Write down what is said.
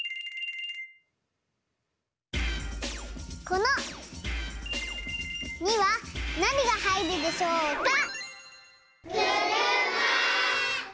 この？？？には何が入るでしょうか？